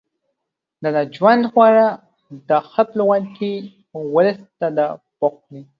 ده د ژوند خواږه د خپلواکۍ او ولس ته د پوهې